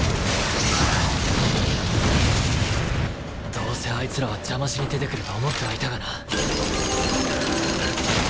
どうせアイツらは邪魔しに出てくると思ってはいたがな。